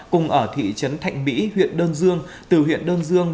cùng ở thị trấn thạnh mỹ huyện đơn dương từ huyện đơn dương